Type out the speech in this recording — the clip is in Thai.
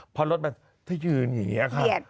พอรถไฟมาถ้ายืนอย่างนี้นะคะ